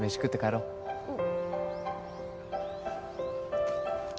うん。